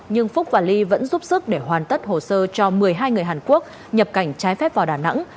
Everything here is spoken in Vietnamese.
nhưng phúc và ly vẫn giúp sức để hoàn tất hồ sơ cho một mươi hai người hàn quốc nhập cảnh trái phép vào đà nẵng